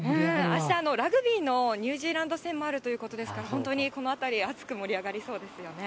あすはラグビーのニュージーランド戦もあるということですから、本当にこの辺り、熱く盛り上がりそうですよね。